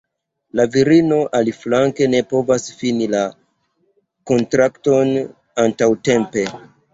La virino aliflanke ne povas fini la kontrakton antaŭtempe.